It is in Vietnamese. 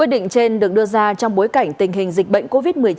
định trên được đưa ra trong bối cảnh tình hình dịch bệnh covid một mươi chín